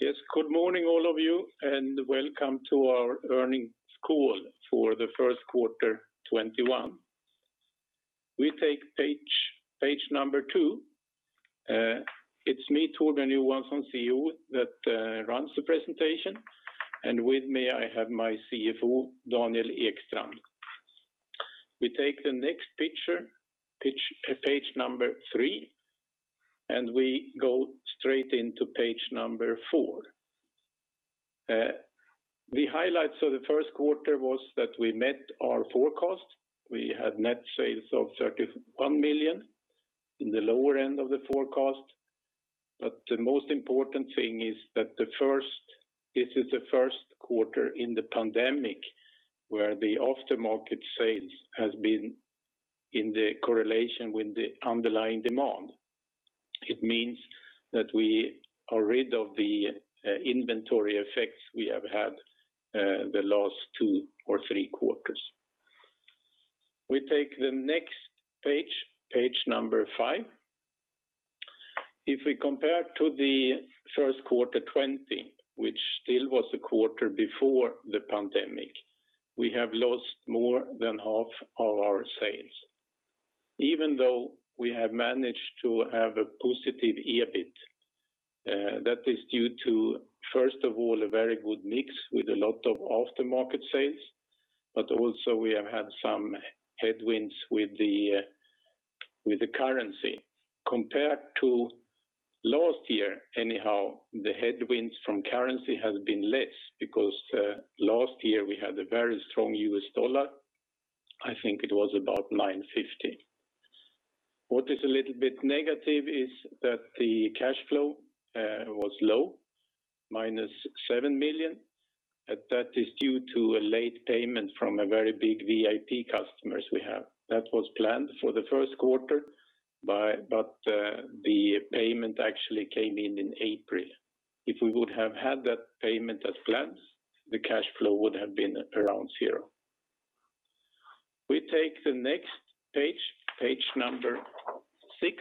Yes. Good morning, all of you, and welcome to our earnings call for the first quarter 2021. We take page number two. It's me, Torbjörn Johansson, CEO, that runs the presentation, and with me I have my CFO, Daniel Ekstrand. We take the next picture, page number three, and we go straight into page number four. The highlights of the first quarter was that we met our forecast. We had net sales of 31 million in the lower end of the forecast. The most important thing is that this is the first quarter in the pandemic where the aftermarket sales has been in the correlation with the underlying demand. It means that we are rid of the inventory effects we have had the last two or three quarters. We take the next page number five. If we compare to the first quarter 2020, which still was a quarter before the pandemic, we have lost more than half of our sales, even though we have managed to have a positive EBIT. That is due to, first of all, a very good mix with a lot of aftermarket sales, but also we have had some headwinds with the currency. Compared to last year anyhow, the headwinds from currency has been less because last year we had a very strong US dollar. I think it was about 9.50. What is a little bit negative is that the cash flow was low, minus 7 million, and that is due to a late payment from a very big VIP customer we have. That was planned for the first quarter, but the payment actually came in in April. If we would have had that payment as planned, the cash flow would have been around zero. We take the next page number six.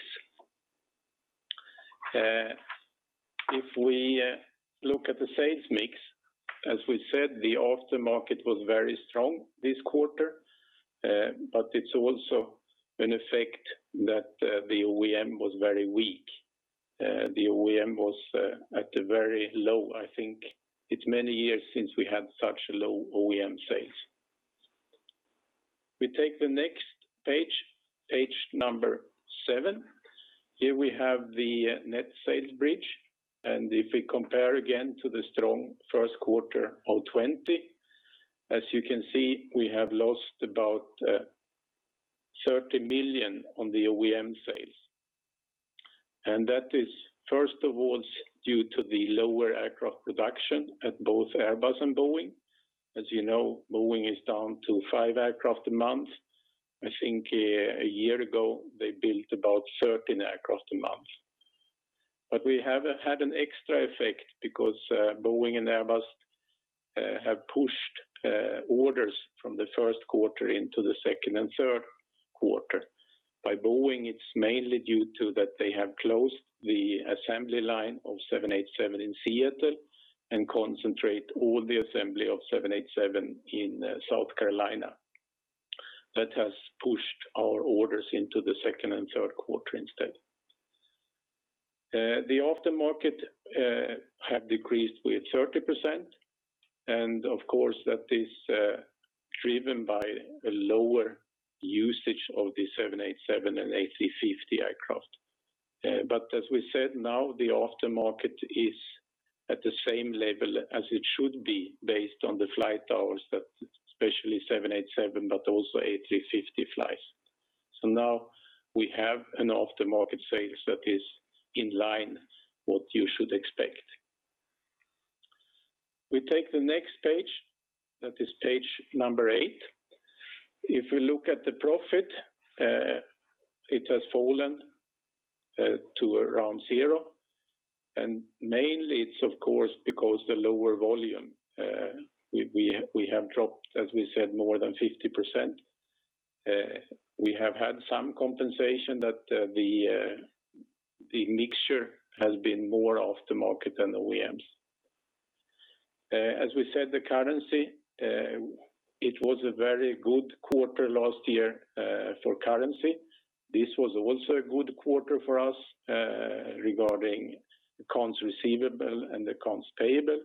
If we look at the sales mix, as we said, the aftermarket was very strong this quarter, but it is also an effect that the OEM was very weak. The OEM was at the very low. I think it is many years since we had such low OEM sales. We take the next page number seven. Here we have the net sales bridge. If we compare again to the strong first quarter of 2020, as you can see, we have lost about 30 million on the OEM sales. That is first of all due to the lower aircraft production at both Airbus and Boeing. As you know, Boeing is down to five aircraft a month. I think a year ago, they built about 13 aircraft a month. We have had an extra effect because Boeing and Airbus have pushed orders from the first quarter into the second and third quarter. By Boeing, it's mainly due to that they have closed the assembly line of 787 in Seattle and concentrate all the assembly of 787 in South Carolina. That has pushed our orders into the second and third quarter instead. The aftermarket have decreased with 30%, and of course, that is driven by a lower usage of the 787 and A350 aircraft. As we said, now the aftermarket is at the same level as it should be based on the flight hours that especially 787, but also A350 flies. Now we have an aftermarket sales that is in line what you should expect. We take the next page, that is page number eight. If we look at the profit, it has fallen to around zero, mainly it's of course because the lower volume. We have dropped, as we said, more than 50%. We have had some compensation that the mixture has been more off the market than OEMs. As we said, the currency, it was a very good quarter last year for currency. This was also a good quarter for us regarding accounts receivable and accounts payable.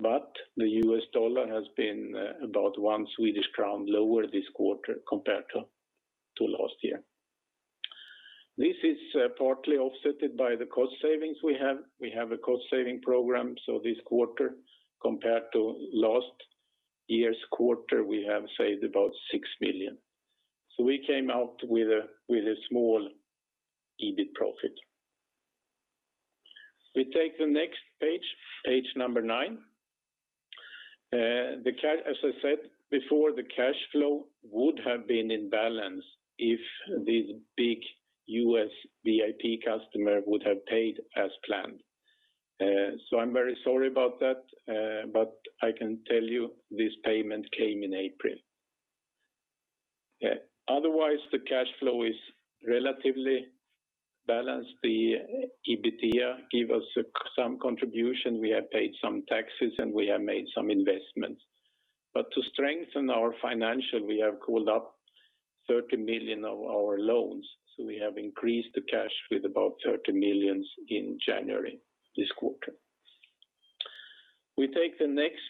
The US dollar has been about one Swedish crown lower this quarter compared to last year. This is partly offset by the cost savings we have. We have a cost-saving program, this quarter, compared to last year's quarter, we have saved about 6 million. We came out with a small EBIT profit. We take the next page number nine. As I said before, the cash flow would have been in balance if this big U.S. VIP customer would have paid as planned. I'm very sorry about that, but I can tell you this payment came in April. Otherwise, the cash flow is relatively balanced. The EBITDA gave us some contribution. We have paid some taxes, and we have made some investments. To strengthen our financial, we have called up 30 million of our loans. We have increased the cash with about 30 million in January this quarter. We take the next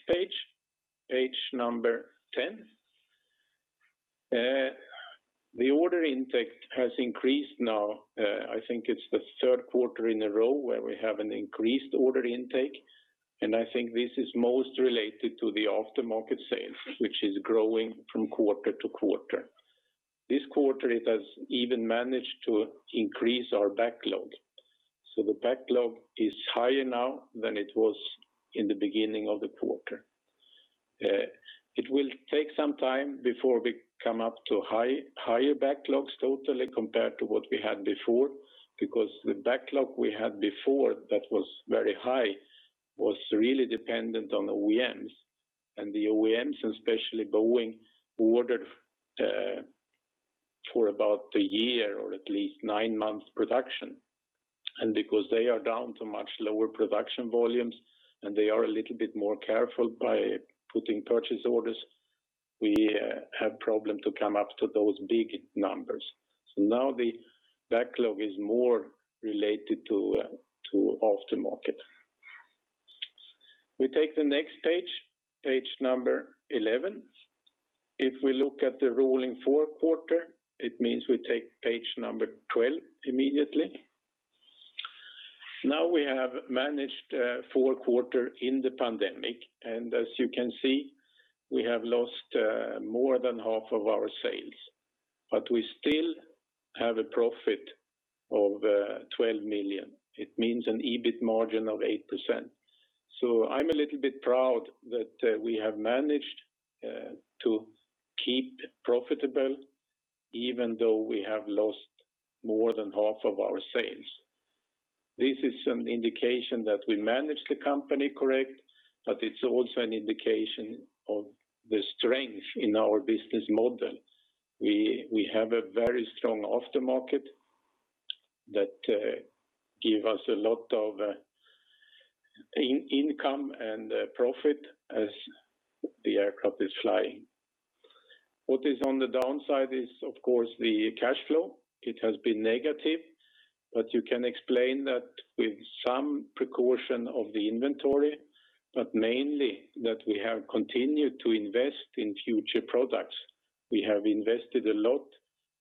page number 10. The order intake has increased now. I think it's the third quarter in a row where we have an increased order intake, and I think this is most related to the aftermarket sale, which is growing from quarter to quarter. This quarter, it has even managed to increase our backlog. The backlog is higher now than it was in the beginning of the quarter. It will take some time before we come up to higher backlogs totally compared to what we had before, because the backlog we had before that was very high was really dependent on the OEMs, and the OEMs, especially Boeing, ordered for about one year or at least nine months' production. Because they are down to much lower production volumes and they are a little bit more careful by putting purchase orders, we have problem to come up to those big numbers. Now the backlog is more related to aftermarket. We take the next page 11. If we look at the rolling four quarter, it means we take page 12 immediately. Now we have managed four quarter in the pandemic, and as you can see, we have lost more than half of our sales. We still have a profit of 12 million. It means an EBIT margin of 8%. I'm a little bit proud that we have managed to keep profitable even though we have lost more than half of our sales. This is an indication that we manage the company correct, but it's also an indication of the strength in our business model. We have a very strong aftermarket that give us a lot of income and profit as the aircraft is flying. What is on the downside is, of course, the cash flow. It has been negative, but you can explain that with some precaution of the inventory, but mainly that we have continued to invest in future products. We have invested a lot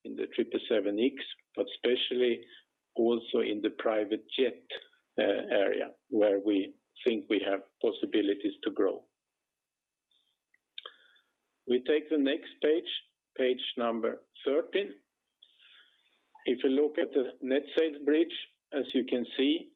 in the 777X, but especially also in the private jet area, where we think we have possibilities to grow. We take the next page number 13. If you look at the net sales bridge, as you can see,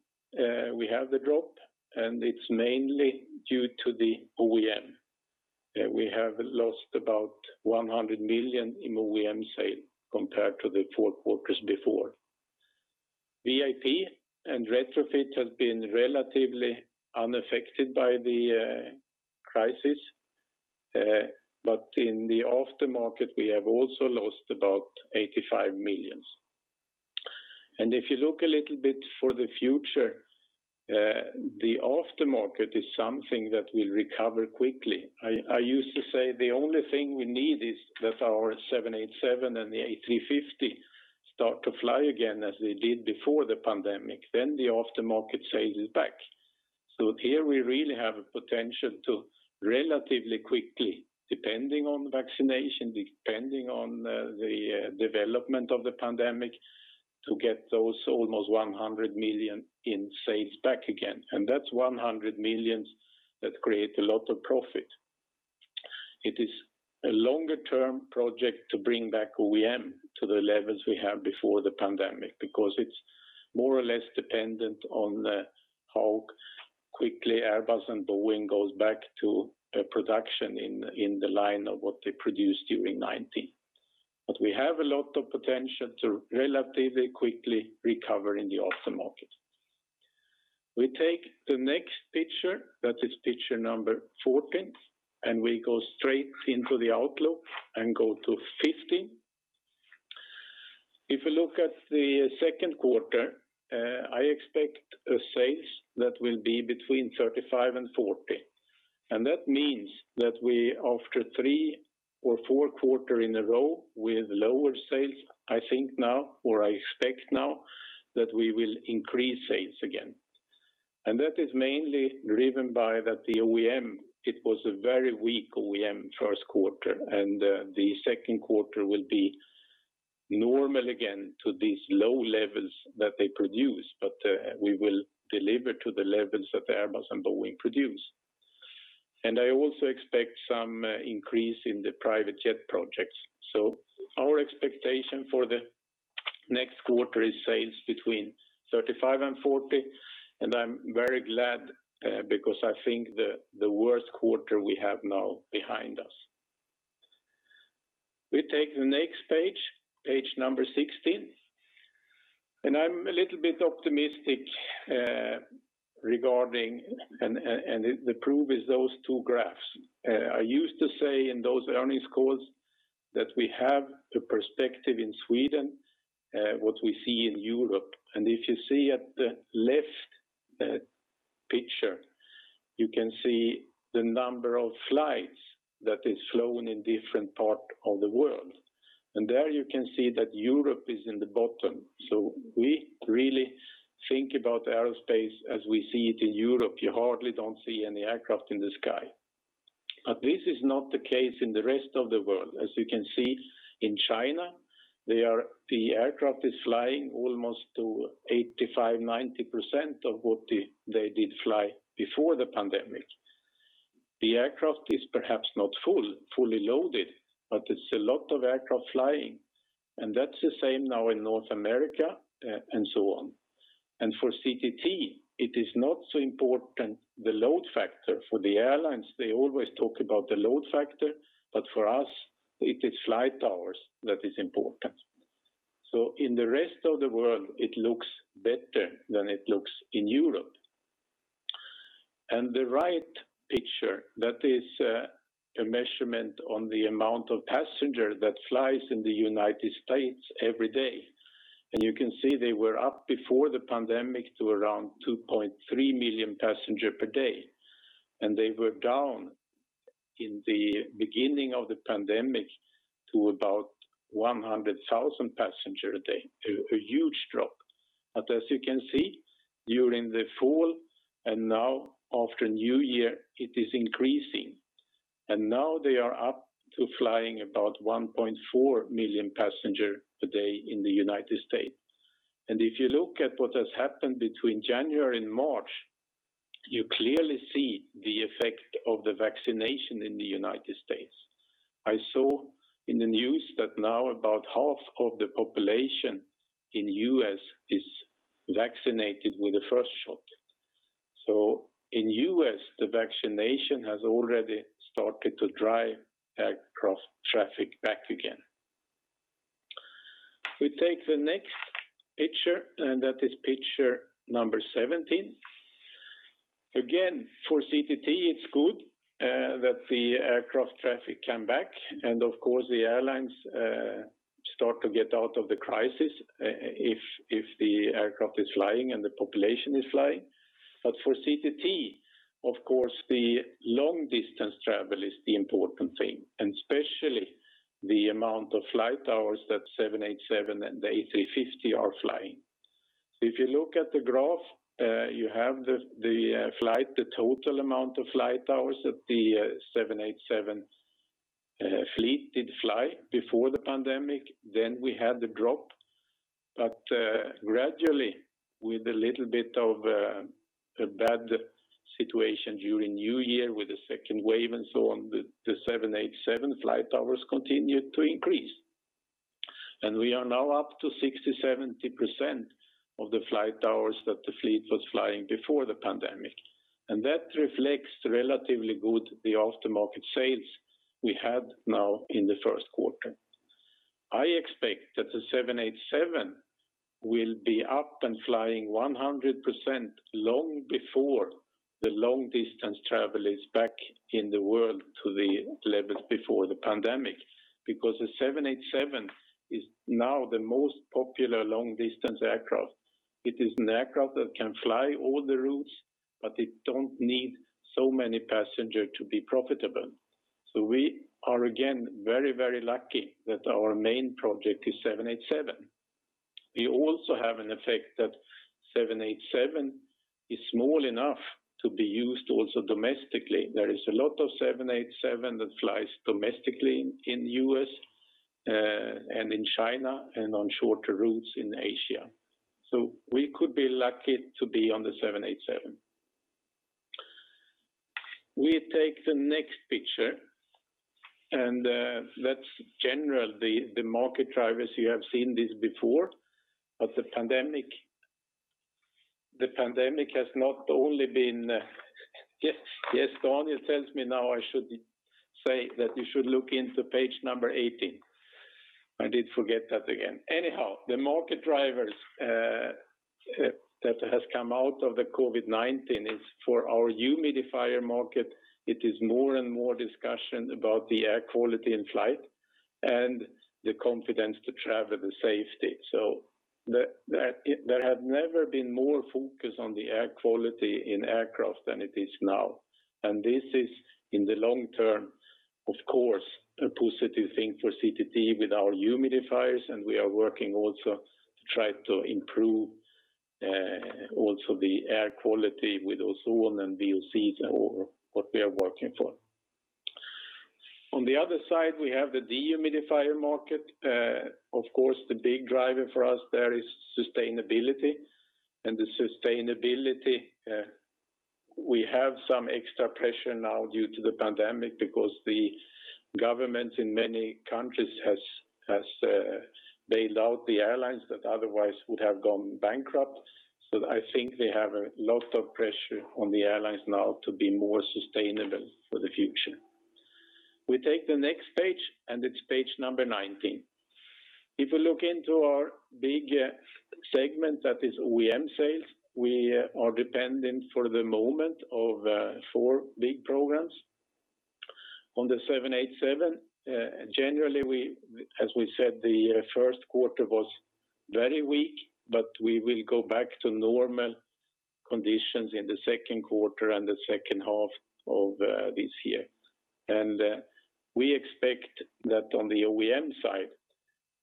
we have the drop, it's mainly due to the OEM. We have lost about 100 million in OEM sale compared to the four quarters before. VIP and retrofit has been relatively unaffected by the crisis. In the aftermarket, we have also lost about 85 million. If you look a little bit for the future, the aftermarket is something that will recover quickly. I used to say the only thing we need is that our 787 and the A350 start to fly again as they did before the pandemic, the aftermarket sale is back. Here we really have a potential to relatively quickly, depending on vaccination, depending on the development of the pandemic, to get those almost 100 million in sales back again. That's 100 million that create a lot of profit. It is a longer-term project to bring back OEM to the levels we had before the pandemic because it's more or less dependent on how quickly Airbus and Boeing goes back to production in the line of what they produced during 2019. We have a lot of potential to relatively quickly recover in the aftermarket. We take the next picture, that is picture number 14. We go straight into the outlook and go to 15. If you look at the second quarter, I expect a sales that will be between 35 and 40. That means that we, after three or four quarter in a row with lower sales, I think now, or I expect now, that we will increase sales again. That is mainly driven by that the OEM, it was a very weak OEM first quarter. The second quarter will be normal again to these low levels that they produce, but we will deliver to the levels that Airbus and Boeing produce. I also expect some increase in the private jet projects. Our expectation for the next quarter is sales between 35 and 40. I'm very glad because I think the worst quarter we have now behind us. We take the next page number 16. I'm a little bit optimistic. The proof is those two graphs. I used to say in those earnings calls that we have the perspective in Sweden, what we see in Europe. If you see at the left picture, you can see the number of flights that is flown in different part of the world. There you can see that Europe is in the bottom. We really think about aerospace as we see it in Europe. You hardly don't see any aircraft in the sky. This is not the case in the rest of the world. As you can see, in China, the aircraft is flying almost to 85%, 90% of what they did fly before the pandemic. The aircraft is perhaps not fully loaded, but it's a lot of aircraft flying, and that's the same now in North America and so on. For CTT, it is not so important, the load factor. For the airlines, they always talk about the load factor, but for us, it is flight hours that is important. In the rest of the world, it looks better than it looks in Europe. The right picture, that is a measurement on the amount of passenger that flies in the U.S. every day. You can see they were up before the pandemic to around 2.3 million passenger per day, and they were down in the beginning of the pandemic to about 100,000 passenger a day, a huge drop. As you can see, during the fall and now after New Year, it is increasing. Now they are up to flying about 1.4 million passenger a day in the U.S. If you look at what has happened between January and March, you clearly see the effect of the vaccination in the U.S. I saw in the news that now about half of the population in U.S. is vaccinated with the first shot. In U.S., the vaccination has already started to drive aircraft traffic back again. We take the next picture, and that is picture number 17. Again, for CTT, it's good that the aircraft traffic come back, and of course, the airlines start to get out of the crisis, if the aircraft is flying and the population is flying. For CTT, of course, the long-distance travel is the important thing, and especially the amount of flight hours that 787 and the A350 are flying. If you look at the graph, you have the total amount of flight hours that the 787 fleet did fly before the pandemic, then we had the drop. Gradually, with a little bit of a bad situation during New Year with the second wave and so on, the 787 flight hours continued to increase. We are now up to 60%, 70% of the flight hours that the fleet was flying before the pandemic. That reflects relatively good the after-market sales we had now in the first quarter. I expect that the 787 will be up and flying 100% long before the long-distance travel is back in the world to the levels before the pandemic. The 787 is now the most popular long-distance aircraft. It is an aircraft that can fly all the routes, but it don't need so many passenger to be profitable. We are, again, very lucky that our main project is 787. We also have an effect that 787 is small enough to be used also domestically. There is a lot of 787 that flies domestically in U.S., and in China, and on shorter routes in Asia. We could be lucky to be on the 787. We take the next picture, and that is general, the market drivers. You have seen this before. The pandemic has not only been. Daniel tells me now I should say that you should look into page number 18. I did forget that again. Anyhow, the market drivers that has come out of the COVID-19 is for our humidifier market. It is more and more discussion about the air quality in flight and the confidence to travel, the safety. There have never been more focus on the air quality in aircraft than it is now. This is, in the long term, of course, a positive thing for CTT with our humidifiers, and we are working also to try to improve also the air quality with ozone and VOCs or what we are working for. On the other side, we have the dehumidifier market. Of course, the big driver for us there is sustainability. The sustainability, we have some extra pressure now due to the pandemic because the government in many countries has bailed out the airlines that otherwise would have gone bankrupt. I think they have a lot of pressure on the airlines now to be more sustainable for the future. We take the next page, and it's page number 19. If we look into our big segment, that is OEM sales, we are dependent for the moment on four big programs. On the 787, generally, as we said, the first quarter was very weak. We will go back to normal conditions in the second quarter and the second half of this year. We expect that on the OEM side,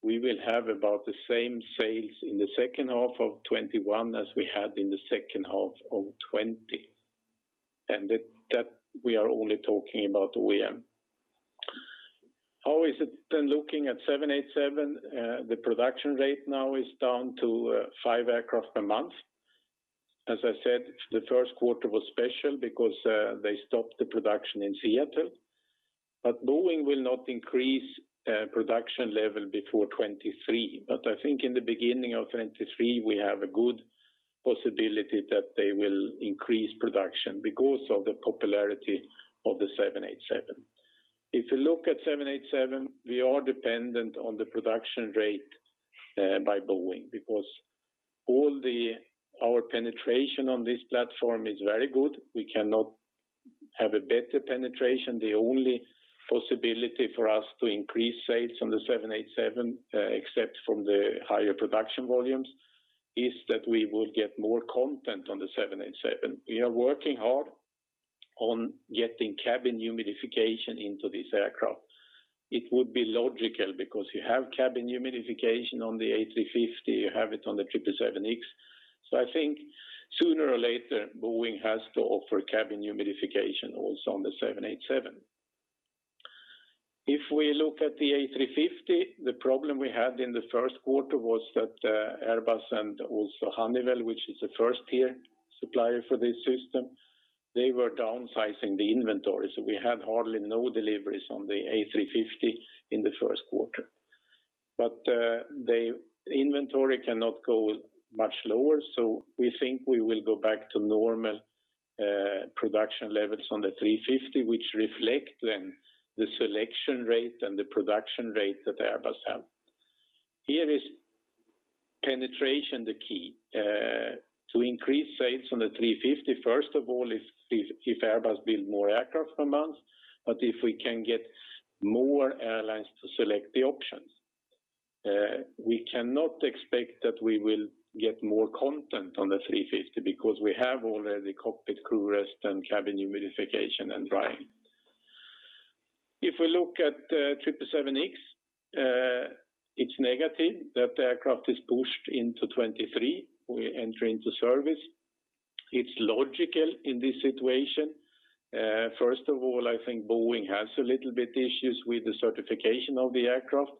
we will have about the same sales in the second half of 2021 as we had in the second half of 2020. That we are only talking about OEM. How is it looking at 787? The production rate now is down to five aircraft a month. As I said, the first quarter was special because they stopped the production in Seattle. Boeing will not increase production level before 2023. I think in the beginning of 2023, we have a good possibility that they will increase production because of the popularity of the 787. If you look at 787, we are dependent on the production rate by Boeing because all our penetration on this platform is very good. We cannot have a better penetration. The only possibility for us to increase sales on the 787, except from the higher production volumes, is that we will get more content on the 787. We are working hard on getting cabin humidification into this aircraft. It would be logical because you have cabin humidification on the A350, you have it on the 777X. I think sooner or later, Boeing has to offer cabin humidification also on the 787. If we look at the A350, the problem we had in the first quarter was that Airbus and also Honeywell, which is a first-tier supplier for this system, they were downsizing the inventory. We had hardly no deliveries on the A350 in the first quarter. The inventory cannot go much lower, so we think we will go back to normal production levels on the 350, which reflect then the selection rate and the production rate that Airbus have. Here is penetration the key. To increase sales on the 350, first of all, if Airbus build more aircraft a month, but if we can get more airlines to select the options. We cannot expect that we will get more content on the 350 because we have already cockpit crew rest and cabin humidification and drying. If we look at 777X, it's negative that the aircraft is pushed into 2023 entry into service. It's logical in this situation. First of all, I think Boeing has a little bit issues with the certification of the aircraft.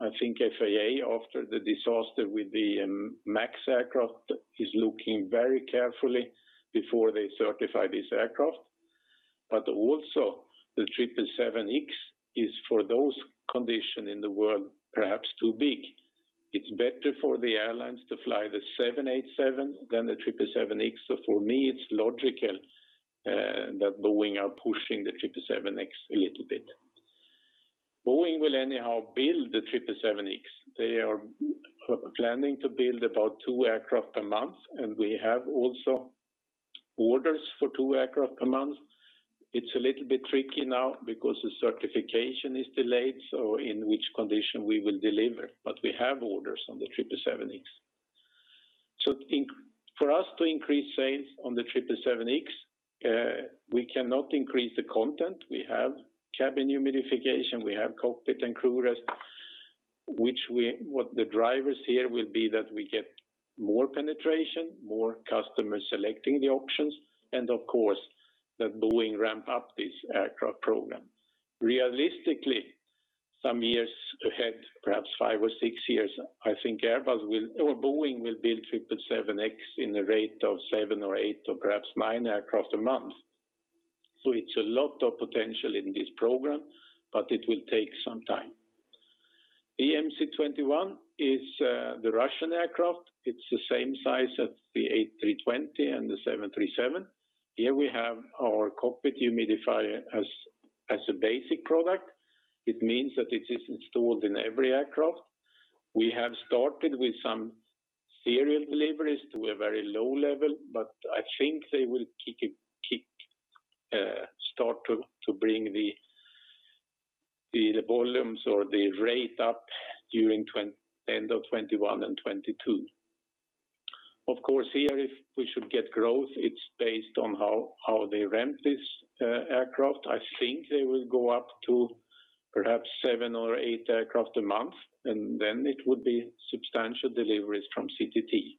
I think FAA, after the disaster with the MAX aircraft, is looking very carefully before they certify this aircraft. Also, the 777X is for those condition in the world, perhaps too big. It's better for the airlines to fly the 787 than the 777X. For me, it's logical that Boeing are pushing the 777X a little bit. Boeing will anyhow build the 777X. They are planning to build about two aircraft a month, and we have also orders for two aircraft a month. It's a little bit tricky now because the certification is delayed, so in which condition we will deliver. We have orders on the 777X. For us to increase sales on the 777X, we cannot increase the content. We have cabin humidification, we have cockpit crew rest. What the drivers here will be that we get more penetration, more customers selecting the options, and of course, that Boeing ramp up this aircraft program. Realistically, some years ahead, perhaps five or six years, I think Boeing will build 777X in the rate of seven or eight or perhaps nine aircraft a month. It's a lot of potential in this program, but it will take some time. MC-21 is the Russian aircraft. It's the same size as the A320 and the 737. Here we have our cockpit humidifier as a basic product. It means that it is installed in every aircraft. We have started with some serial deliveries to a very low level, but I think they will start to bring the volumes or the rate up during end of 2021 and 2022. Of course, here, if we should get growth, it's based on how they ramp this aircraft. I think they will go up to perhaps seven or eight aircraft a month, and then it would be substantial deliveries from CTT.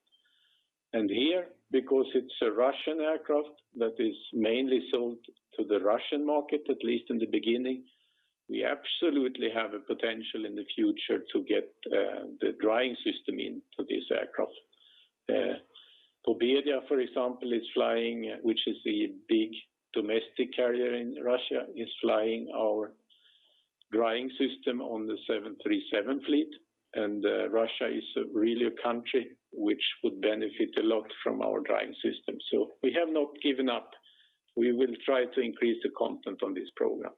Here, because it's a Russian aircraft that is mainly sold to the Russian market, at least in the beginning, we absolutely have a potential in the future to get the drying system into this aircraft. S7, for example, which is the big domestic carrier in Russia, is flying our drying system on the 737 fleet. Russia is really a country which would benefit a lot from our drying system. We have not given up. We will try to increase the content on this program.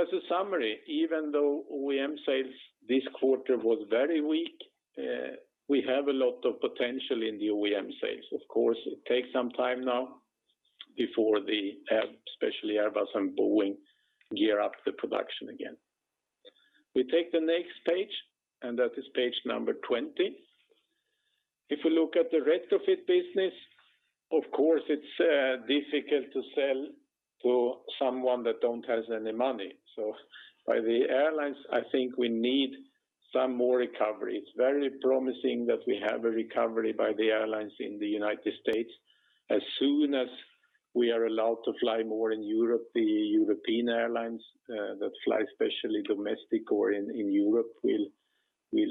As a summary, even though OEM sales this quarter was very weak, we have a lot of potential in the OEM sales. Of course, it takes some time now before, especially Airbus and Boeing, gear up the production again. We take the next page, and that is page number 20. If we look at the retrofit business, of course, it's difficult to sell to someone that doesn't have any money. By the airlines, I think we need some more recovery. It's very promising that we have a recovery by the airlines in the U.S. As soon as we are allowed to fly more in Europe, the European airlines that fly, especially domestic or in Europe, will be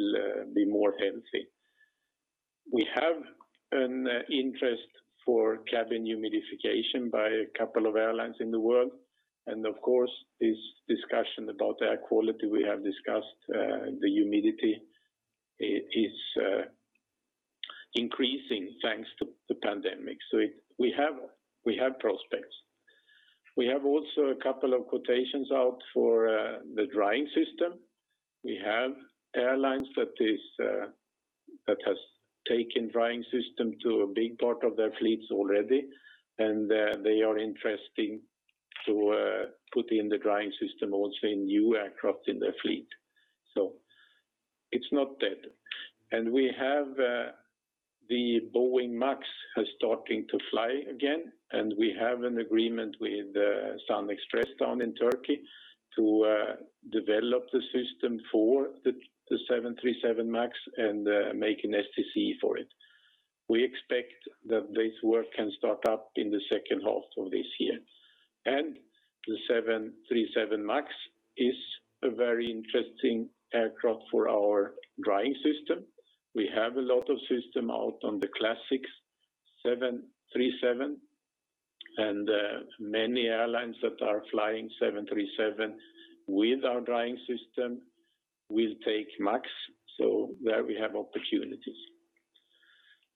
healthier. We have an interest for cabin humidification by a couple of airlines in the world. Of course, this discussion about air quality, we have discussed the humidity is increasing thanks to the pandemic. We have prospects. We have also a couple of quotations out for the drying system. We have airlines that have taken drying system to a big part of their fleets already. They are interested to put in the drying system also in new aircraft in their fleet. It's not dead. The Boeing MAX has started to fly again, and we have an agreement with Satair in Turkey to develop the system for the 737 MAX and make an STC for it. We expect that this work can start up in the second half of this year. The 737 MAX is a very interesting aircraft for our drying system. We have a lot of system out on the classic 737, and many airlines that are flying 737 with our drying system will take MAX. There we have opportunities.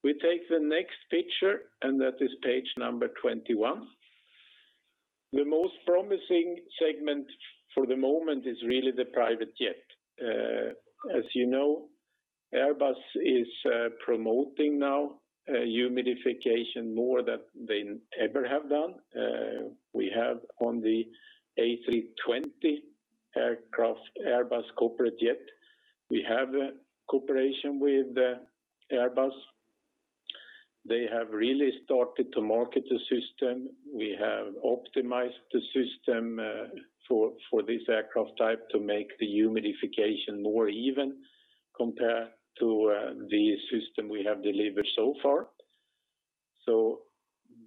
We take the next picture. That is page number 21. The most promising segment for the moment is really the private jet. As you know, Airbus is promoting now humidification more than they ever have done. We have on the A320 aircraft, Airbus Corporate Jets. We have a cooperation with Airbus. They have really started to market the system. We have optimized the system for this aircraft type to make the humidification more even compared to the system we have delivered so far.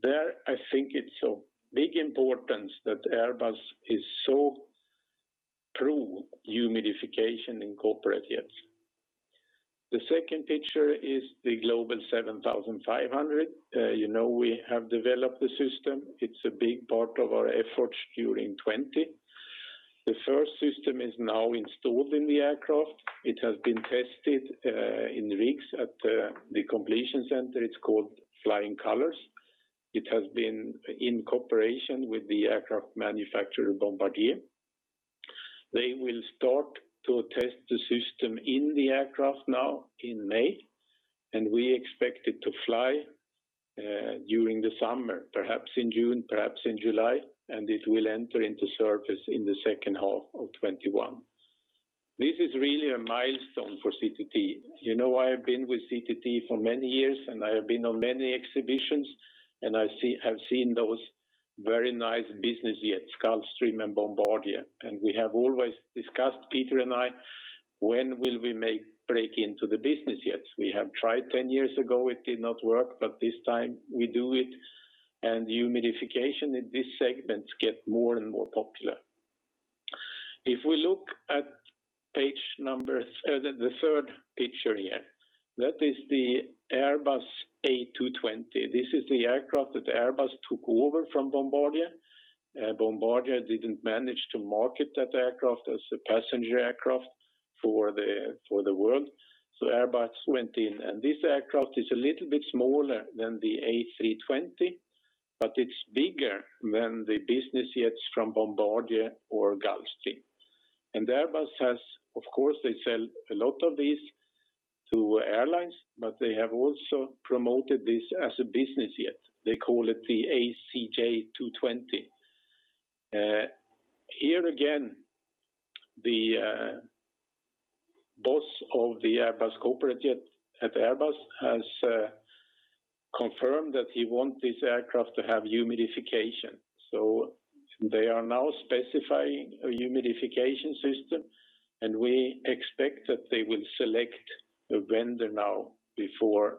There, I think it's of big importance that Airbus is so pro humidification in corporate jets. The second picture is the Global 7500. You know we have developed the system. It's a big part of our efforts during 2020. The first system is now installed in the aircraft. It has been tested in weeks at the completion center. It's called Flying Colours Corp. It has been in cooperation with the aircraft manufacturer, Bombardier. They will start to test the system in the aircraft now in May. We expect it to fly during the summer, perhaps in June, perhaps in July, and it will enter into service in the second half of 2021. This is really a milestone for CTT. You know I have been with CTT for many years. I have been on many exhibitions. I have seen those very nice business jets, Gulfstream and Bombardier. We have always discussed, Peter and I, when will we make break into the business jets. We have tried 10 years ago. It did not work. This time we do it. Humidification in this segment gets more and more popular. If we look at the third picture here, that is the Airbus A220. This is the aircraft that Airbus took over from Bombardier. Bombardier didn't manage to market that aircraft as a passenger aircraft for the world. Airbus went in, and this aircraft is a little bit smaller than the A320, but it's bigger than the business jets from Bombardier or Gulfstream. Airbus has, of course, they sell a lot of these to airlines, but they have also promoted this as a business jet. They call it the ACJ TwoTwenty. Here again, the boss of the Airbus Corporate Jet at Airbus has confirmed that he wants this aircraft to have humidification. They are now specifying a humidification system, and we expect that they will select a vendor now before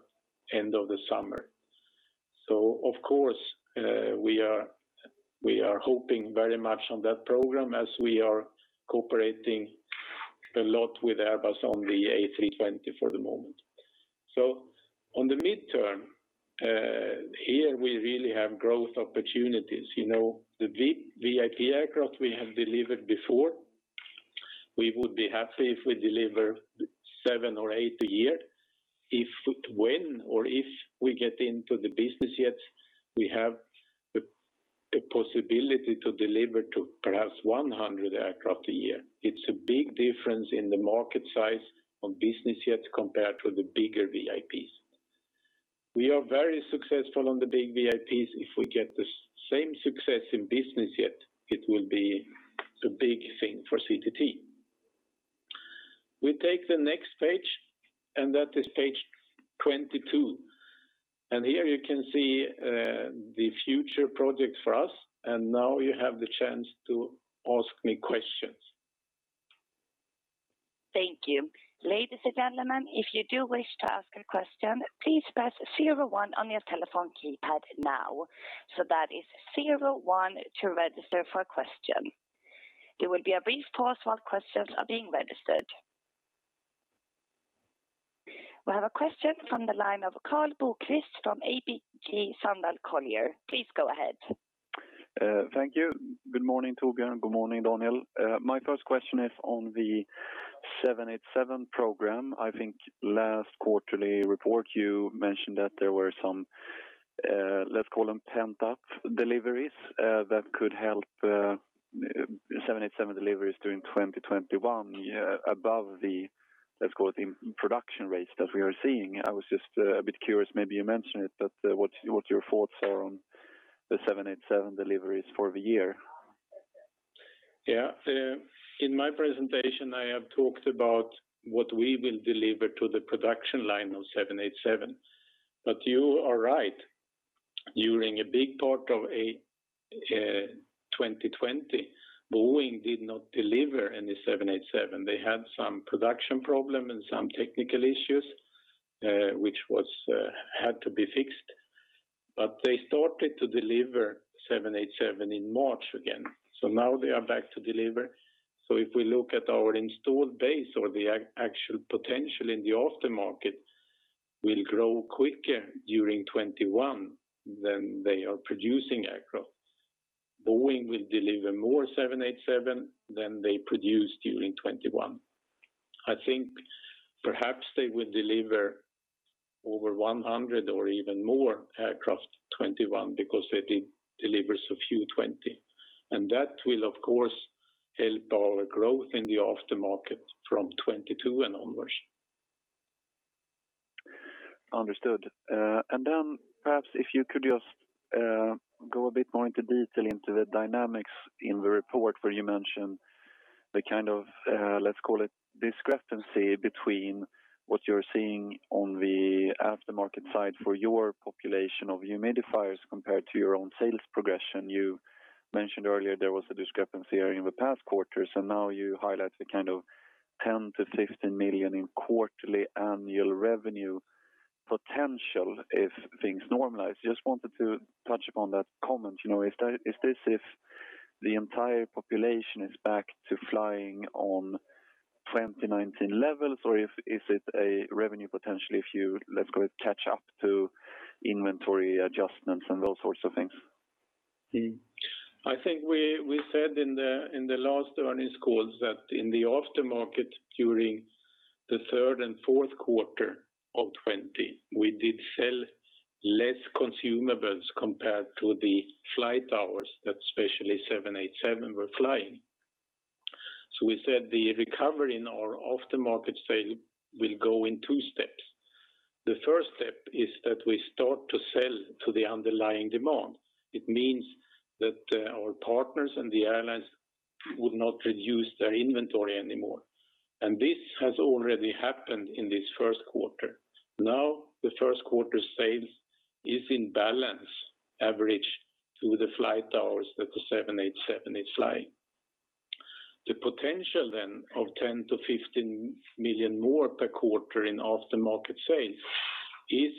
end of the summer. Of course, we are hoping very much on that program as we are cooperating a lot with Airbus on the A320 for the moment. On the midterm, here we really have growth opportunities. The VIP aircraft we have delivered before, we would be happy if we deliver seven or eight a year. When or if we get into the business jet, we have the possibility to deliver to perhaps 100 aircraft a year. It's a big difference in the market size of business jets compared to the bigger VIPs. We are very successful on the big VIPs. If we get the same success in business jet, it will be a big thing for CTT. We take the next page, and that is page 22. Here you can see the future project for us, and now you have the chance to ask me questions. Thank you. We have a question from the line of Karl Bokvist from ABG Sundal Collier. Please go ahead. Thank you. Good morning, Torbjörn. Good morning, Daniel. My first question is on the 787 program. I think last quarterly report, you mentioned that there were some, let's call them pent-up deliveries, that could help 787 deliveries during 2021 above the, let's call it, production rates that we are seeing. I was just a bit curious, maybe you mentioned it, but what your thoughts are on the 787 deliveries for the year? Yeah. In my presentation, I have talked about what we will deliver to the production line of 787. You are right. During a big part of 2020, Boeing did not deliver any 787. They had some production problem and some technical issues, which had to be fixed. They started to deliver 787 in March again. Now they are back to deliver. If we look at our installed base or the actual potential in the aftermarket, we'll grow quicker during 2021 than they are producing aircraft. Boeing will deliver more 787 than they produced during 2021. I think perhaps they will deliver over 100 or even more aircraft 2021 because they did deliver so few 2020. That will, of course, help our growth in the aftermarket from 2022 and onwards. Understood. Then perhaps if you could just go a bit more into detail into the dynamics in the report where you mention the, let's call it discrepancy between what you're seeing on the aftermarket side for your population of humidifiers compared to your own sales progression. You mentioned earlier there was a discrepancy during the past quarters, now you highlight the kind of 10 million-15 million in quarterly annual revenue potential if things normalize. Just wanted to touch upon that comment. Is this if the entire population is back to flying on 2019 levels, or is it a revenue potential if you, let's call it, catch up to inventory adjustments and those sorts of things? I think we said in the last earnings calls that in the aftermarket during the third and fourth quarter of 2020, we did sell less consumables compared to the flight hours that especially 787 were flying. We said the recovery in our aftermarket sale will go in two steps. The first step is that we start to sell to the underlying demand. It means that our partners and the airlines would not reduce their inventory anymore. This has already happened in this first quarter. The first quarter sales is in balance average to the flight hours that the 787 is flying. The potential of 10 million-15 million more per quarter in aftermarket sales is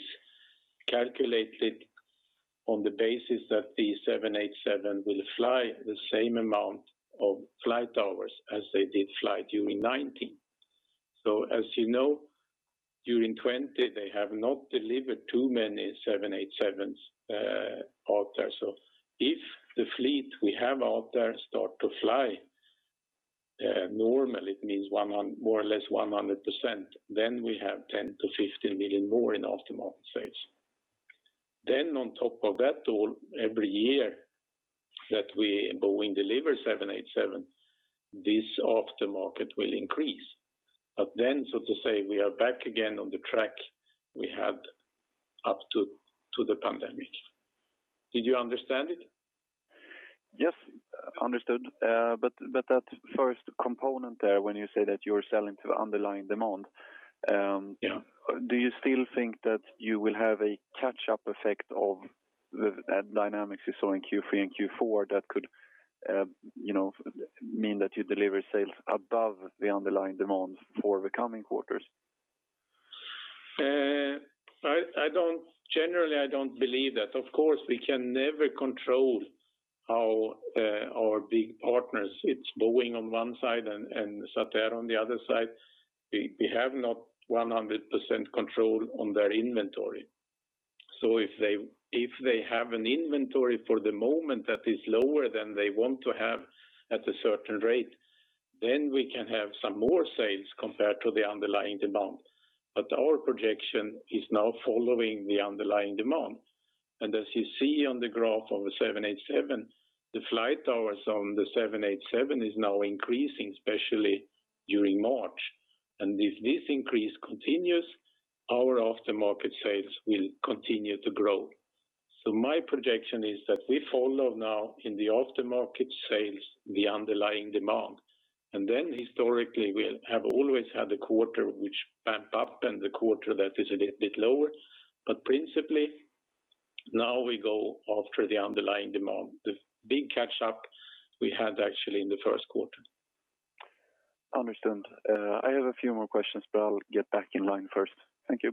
calculated on the basis that the 787 will fly the same amount of flight hours as they did fly during 2019. As you know, during 2020, they have not delivered too many 787s out there. If the fleet we have out there start to fly normally, it means more or less 100%, then we have 10 million-15 million more in aftermarket sales. On top of that, every year that Boeing delivers 787, this aftermarket will increase. So to say, we are back again on the track we had up to the pandemic. Did you understand it? Yes. Understood. That first component there, when you say that you're selling to the underlying demand. Yeah Do you still think that you will have a catch-up effect of the dynamics you saw in Q3 and Q4 that could mean that you deliver sales above the underlying demands for the coming quarters? Generally, I don't believe that. Of course, we can never control our big partners. It's Boeing on one side and Satair on the other side. We have not 100% control on their inventory. If they have an inventory for the moment that is lower than they want to have at a certain rate, we can have some more sales compared to the underlying demand. Our projection is now following the underlying demand. As you see on the graph of the 787, the flight hours on the 787 is now increasing, especially during March. If this increase continues, our after-market sales will continue to grow. My projection is that we follow now in the after-market sales, the underlying demand, and historically, we have always had a quarter which bump up and the quarter that is a little bit lower. Principally, now we go after the underlying demand. The big catch-up we had actually in the first quarter. Understood. I have a few more questions, but I'll get back in line first. Thank you.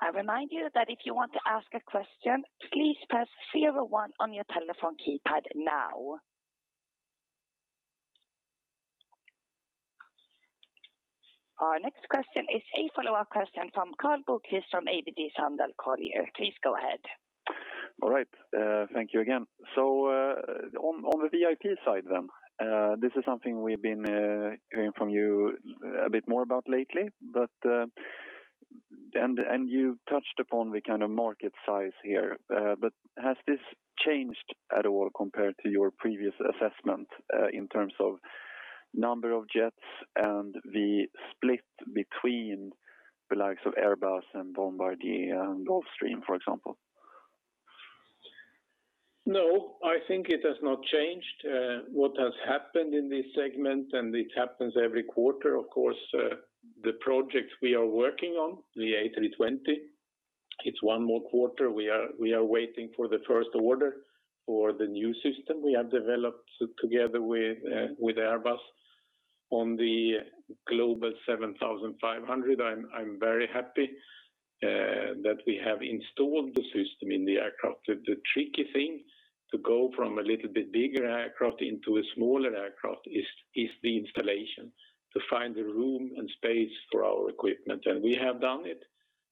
I remind you that if you want to ask a question, please press zero one on your telephone keypad now. Our next question is a follow-up question from Karl Bokvist from ABG Sundal Collier. Please go ahead. All right. Thank you again. On the VIP side then, this is something we've been hearing from you a bit more about lately, and you've touched upon the kind of market size here. Has this changed at all compared to your previous assessment, in terms of number of jets and the split between the likes of Airbus and Bombardier and Gulfstream, for example? No, I think it has not changed. What has happened in this segment, and it happens every quarter, of course, the project we are working on, the A320, it's one more quarter. We are waiting for the first order for the new system we have developed together with Airbus. On the Global 7500, I'm very happy that we have installed the system in the aircraft. The tricky thing, to go from a little bit bigger aircraft into a smaller aircraft, is the installation. To find the room and space for our equipment. We have done it.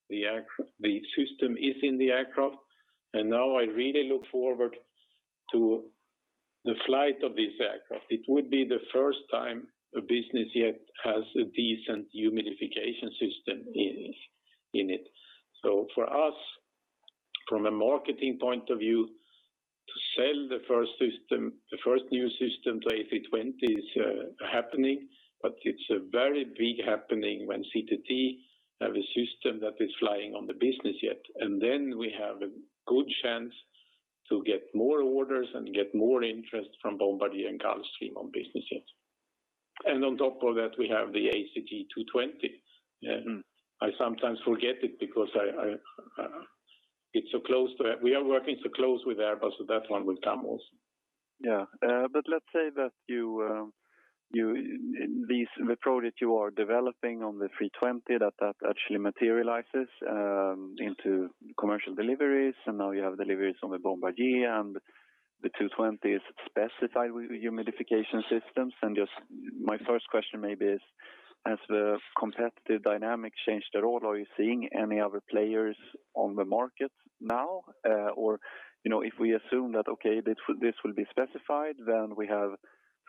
The system is in the aircraft, and now I really look forward to the flight of this aircraft. It would be the first time a business jet has a decent humidification system in it. For us, from a marketing point of view, to sell the first new system to A320 is happening, but it's a very big happening when CTT have a system that is flying on the business jet. Then we have a good chance to get more orders and get more interest from Bombardier and Gulfstream on business jets. On top of that, we have the ACJ TwoTwenty. I sometimes forget it because we are working so close with Airbus, so that one will come also. Let's say that the product you are developing on the 320, that actually materializes into commercial deliveries, and now you have deliveries on the Bombardier and the 220 is specified with humidification systems. Just my first question maybe is, has the competitive dynamic changed at all? Are you seeing any other players on the market now? If we assume that, okay, this will be specified, then we have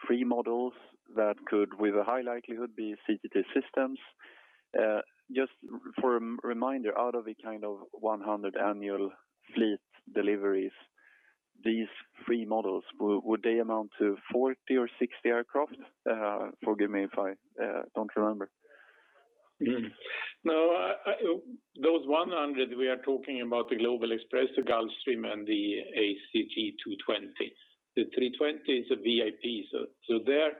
three models that could, with a high likelihood, be CTT Systems. Just for a reminder, out of the kind of 100 annual fleet deliveries, these three models, would they amount to 40 or 60 aircraft? Forgive me if I don't remember. No. Those 100, we are talking about the Bombardier Global Express, the Gulfstream, and the ACJ TwoTwenty. The A320 is a VIP. There,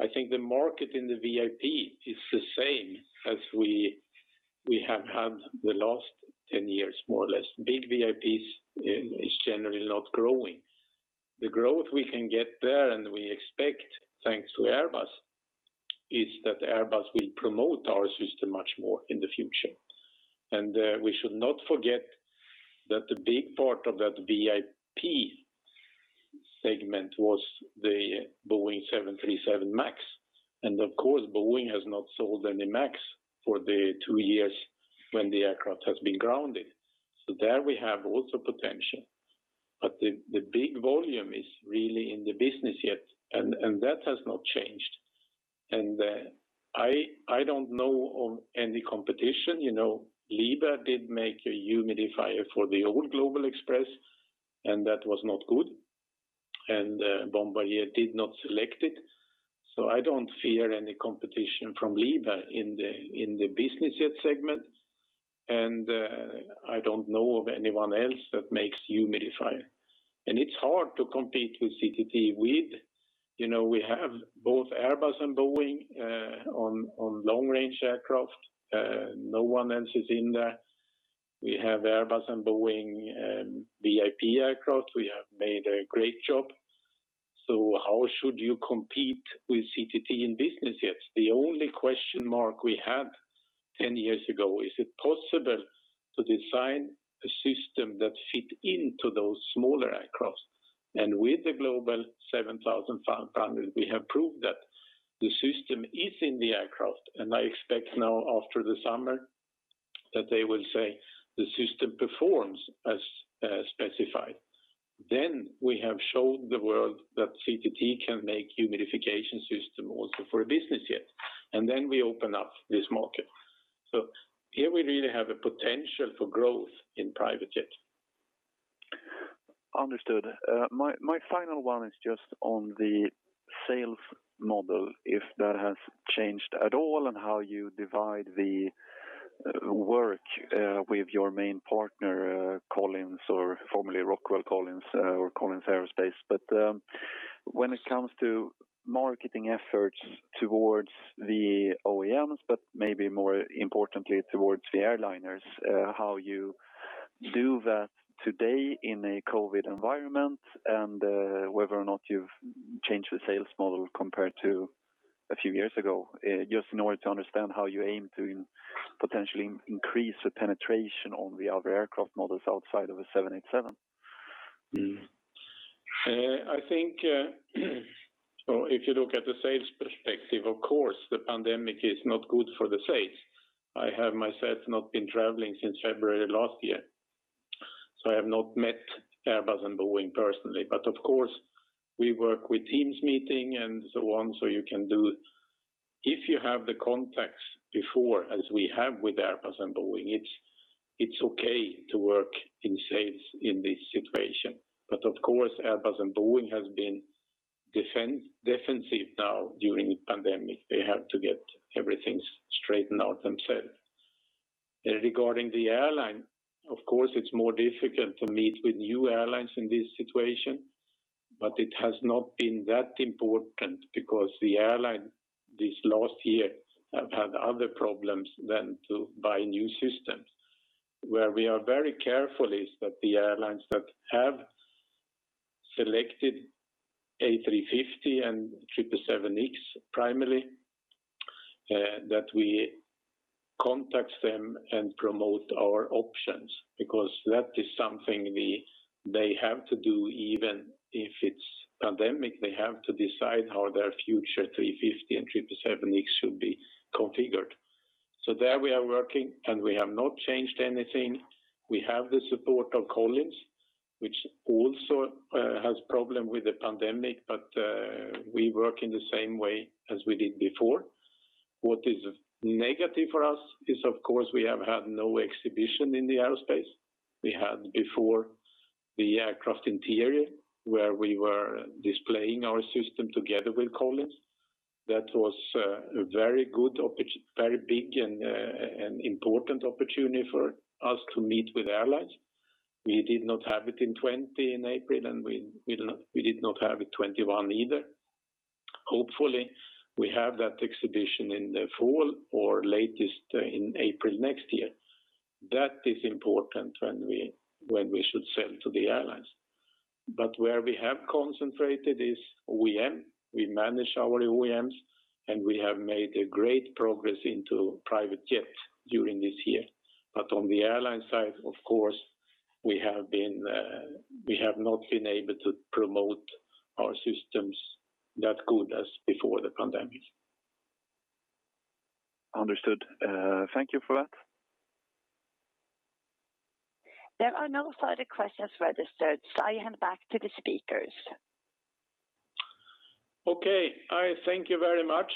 I think the market in the VIP is the same as we have had the last 10 years, more or less. Big VIPs is generally not growing. The growth we can get there, and we expect, thanks to Airbus, is that Airbus will promote our system much more in the future. We should not forget that the big part of that VIP segment was the Boeing 737 MAX. Of course, Boeing has not sold any MAX for the two years when the aircraft has been grounded. There we have also potential. The big volume is really in the business jet, and that has not changed. I don't know of any competition. Liebherr did make a humidifier for the old Global Express, and that was not good. Bombardier did not select it. I don't fear any competition from Liebherr in the business jet segment. I don't know of anyone else that makes humidifier. It's hard to compete with CTT. We have both Airbus and Boeing on long-range aircraft. No one else is in there. We have Airbus and Boeing VIP aircraft. We have made a great job. How should you compete with CTT in business jets? The only question mark we had 10 years ago, is it possible to design a system that fit into those smaller aircraft? With the Global 7500, we have proved that the system is in the aircraft. I expect now after the summer that they will say the system performs as specified. We have showed the world that CTT can make humidification system also for a business jet, and then we open up this market. Here we really have a potential for growth in private jets. Understood. My final one is just on the sales model, if that has changed at all, and how you divide the work with your main partner, Collins or formerly Rockwell Collins or Collins Aerospace. When it comes to marketing efforts towards the OEMs, but maybe more importantly towards the airliners, how you do that today in a COVID-19 environment and whether or not you've changed the sales model compared to a few years ago, just in order to understand how you aim to potentially increase the penetration on the other aircraft models outside of the 787. I think if you look at the sales perspective, of course, the pandemic is not good for the sales. I have myself not been traveling since February last year. I have not met Airbus and Boeing personally. Of course, we work with Teams meeting and so on. If you have the contacts before, as we have with Airbus and Boeing, it's okay to work in sales in this situation. Of course, Airbus and Boeing has been defensive now during the pandemic. They have to get everything straightened out themselves. Regarding the airline, of course, it's more difficult to meet with new airlines in this situation, but it has not been that important because the airline this last year have had other problems than to buy new systems. Where we are very careful is that the airlines that have selected A350 and 777X primarily, that we contact them and promote our options, because that is something they have to do even if it's pandemic. They have to decide how their future 350 and 777X should be configured. There we are working, and we have not changed anything. We have the support of Collins, which also has problem with the pandemic, but we work in the same way as we did before. What is negative for us is, of course, we have had no exhibition in the aerospace. We had before the aircraft interior, where we were displaying our system together with Collins. That was a very big and important opportunity for us to meet with airlines. We did not have it in 2020 in April, and we did not have it 2021 either. Hopefully, we have that exhibition in the fall or latest in April next year. That is important when we should sell to the airlines. Where we have concentrated is OEM. We manage our OEMs, and we have made a great progress into private jets during this year. On the airline side, of course, we have not been able to promote our systems that good as before the pandemic. Understood. Thank you for that. There are no further questions registered, so I hand back to the speakers. Okay. Thank you very much.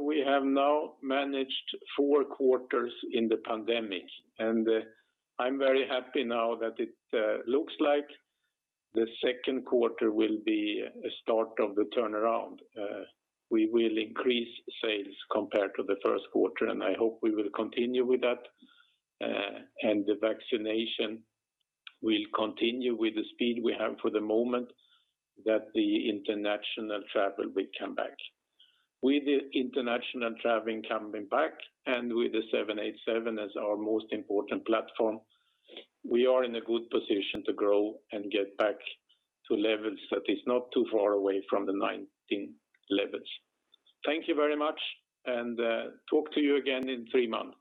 We have now managed four quarters in the pandemic. I'm very happy now that it looks like the second quarter will be a start of the turnaround. We will increase sales compared to the first quarter, I hope we will continue with that, the vaccination will continue with the speed we have for the moment that the international travel will come back. With the international traveling coming back and with the 787 as our most important platform, we are in a good position to grow and get back to levels that is not too far away from the 2019 levels. Thank you very much, and talk to you again in three months.